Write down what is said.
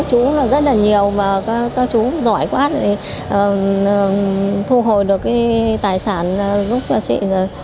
rất là mừng và cảm ơn các chú rất là nhiều và các chú giỏi quá để thu hồi được tài sản giúp chị